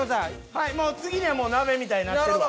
はい次には鍋みたいになってるわ。